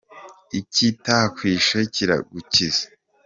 Ikitakwishe kiragukiza.